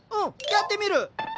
やってみる！